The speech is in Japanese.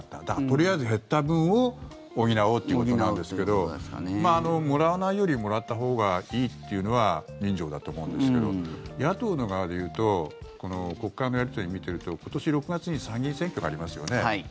だから、とりあえず減った分を補おうということなんですけどもらわないよりもらったほうがいいというのは人情だと思うんですけど野党の側でいうと国会のやり取りを見てると今年６月に参議院選挙がありますよね。